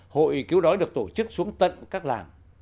hội cứu đói được tổ chức xuống tận các làng